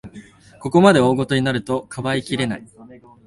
ここまで大ごとになると、かばいきれない